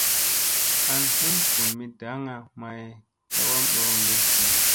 An vum vun mi daŋga may ka wam ɗoombi.